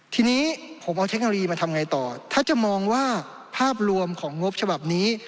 ทีนี้ผมเอาเทคโนโลยีมาทำไงต่อถ้าจะมองว่าภาพรวมของงบฉบับนี้